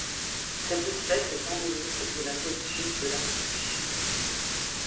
Cette espèce est endémique de la côte Sud de l'Afrique du Sud.